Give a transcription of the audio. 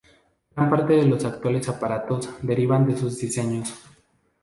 Gran parte de los actuales aparatos derivan de sus diseños.